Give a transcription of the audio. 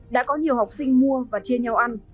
đã có nhiều học sinh mua và chia nhau ăn